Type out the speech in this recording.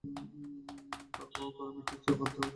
তার গড়া ম্যাট্রিক্স দুর্বোধ্য যুক্তি আর সমীকরণে ভর্তি ছিল!